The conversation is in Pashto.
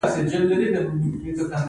د دولینه ولسوالۍ واورین ده